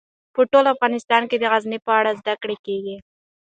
په ټول افغانستان کې د غزني په اړه زده کړه کېږي.